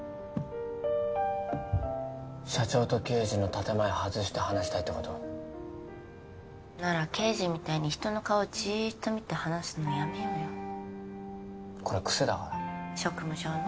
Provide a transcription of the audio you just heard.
社長と刑事の建前外して話したいってことなら刑事みたいに人の顔じっと見て話すのやめようよこれ癖だから職務上の？